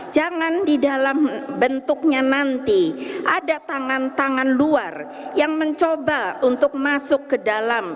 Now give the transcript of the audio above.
jangan di dalam bentuknya nanti ada tangan tangan luar yang mencoba untuk masuk ke dalam